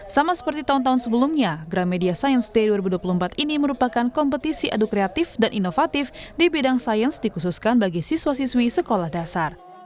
sama seperti tahun tahun sebelumnya gramedia science day dua ribu dua puluh empat ini merupakan kompetisi adu kreatif dan inovatif di bidang sains dikhususkan bagi siswa siswi sekolah dasar